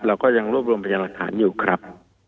เราก็ยังรวบรวมพยานหลักฐานอยู่ครับ